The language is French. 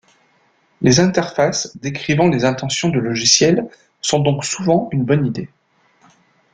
Les interfaces décrivant les intentions du logiciel sont donc souvent une bonne idée.